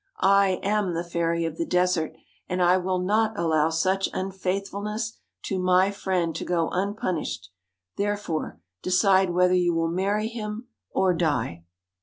I am the Fairy DWARF of the Desert, and I will not allow such unfaithful ness to my friend to go unpunished; therefore decide whether you will marry him or die.'